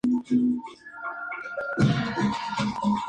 Garmendia y Trelles.